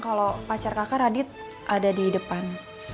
kalau pacar kakak radit ada di depan